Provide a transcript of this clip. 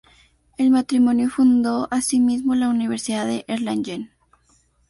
El matrimonio fundó asimismo la Universidad de Erlangen.